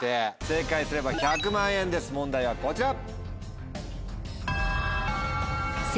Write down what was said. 正解すれば１００万円です問題はこちら。